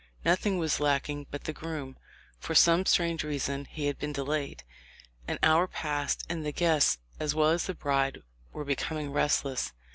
Nothing was lacking but the groom. For some strange reason he had been delayed. An hour passed, and the guests as well as the bride were becoming restless.